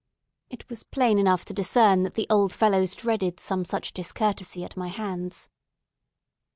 It was plain enough to discern that the old fellows dreaded some such discourtesy at my hands.